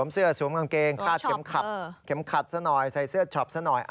เศื้อสองเข็มขัดเว้อใส่เศือช็อปส์สักหน่อย